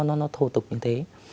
nó thô tục như thế